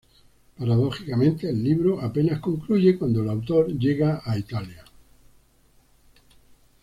Paradójicamente, el libro apenas concluye cuando el autor llega a Italia.